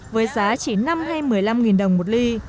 với giá chỉ năm hay một mươi năm đồng một ly